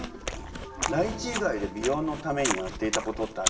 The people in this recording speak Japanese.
ライチ以外で美容のためにやっていたことってあるんですか？